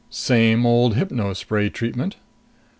"Same old hypno spray treatment?"